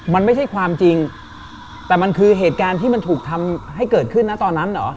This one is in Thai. มันไม่ใช่ความจริงแต่มันคือเหตุการณ์ที่มันถูกทำให้เกิดขึ้นนะตอนนั้นเหรอ